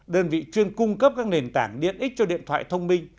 đơn vị chuyên cung cấp các nền tảng điện ích cho điện thoại thông minh